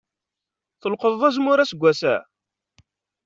Tleqḍeḍ azemmur aseggas-a?